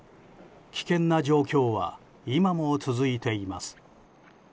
危険な状況は今も続いています。